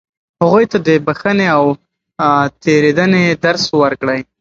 هغوی ته د بښنې او تېرېدنې درس ورکړئ.